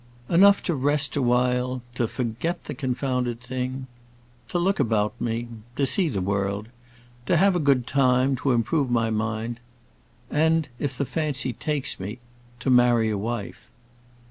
"Enough to rest awhile, to forget the confounded thing, to look about me, to see the world, to have a good time, to improve my mind, and, if the fancy takes me, to marry a wife."